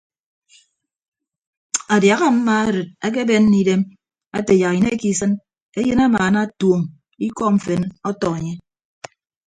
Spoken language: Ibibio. Adiaha mma arịd akebenne idem ate yak inekke isịn eyịn amaana tuoñ ikọ mfen ọtọ enye.